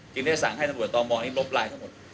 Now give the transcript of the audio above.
จริงสั่งให้ตำรวจต่อมองลบลายทั้งหมด